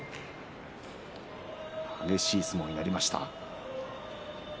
激しい相撲になりました。